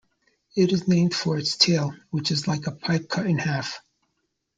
It is named for its tail, which is like a pipe cut in half.